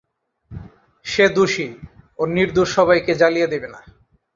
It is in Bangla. সে দোষী ও নির্দোষ সবাইকে জ্বালিয়ে দেবে না।